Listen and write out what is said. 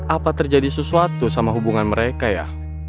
apa terjadi sesuatu sama hubungan mereka ya